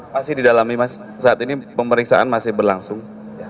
masih didalami mas saat ini pemeriksaan masih berlangsung